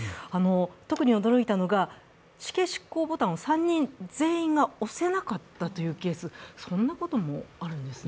特に驚いたのが死刑執行ボタンを３人全員が押せなかったというケース、そんなこともあるんですね。